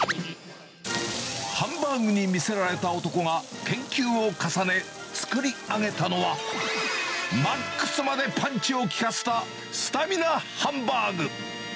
ハンバーグに見せられた男が、研究を重ね作り上げたのは、マックスまでパンチを効かせた、スタミナハンバーグ。